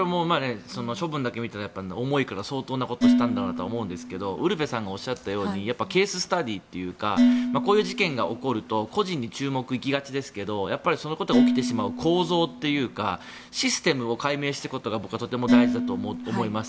処分から見たら重いから相当なことをしたんだろうなと思いますがウルヴェさんがおっしゃったようにケーススタディーというかこういう事件が起こると個人に注目が行きがちですが構造というかシステムを解明することが僕はとても大事だと思います。